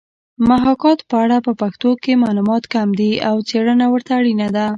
محاکات په اړه په پښتو کې معلومات کم دي او څېړنه ورته اړینه ده